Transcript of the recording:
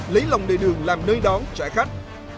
lấy lòng đề đường làm nơi đón trả khách